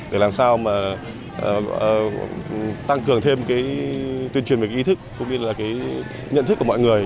để làm sao mà tăng cường thêm cái tuyên truyền về cái ý thức cũng như là cái nhận thức của mọi người